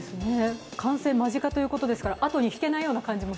完成間近ということですから、あとに引けないような感じも